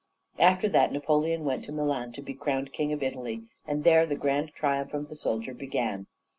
"After that, Napoleon went to Milan to be crowned king of Italy, and there the grand triumph of the soldier began.